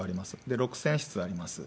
６０００室あります。